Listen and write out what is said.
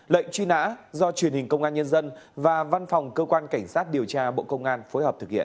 lệnh truy nã do truyền hình công an nhân dân và văn phòng cơ quan cảnh sát điều tra bộ công an phối hợp thực hiện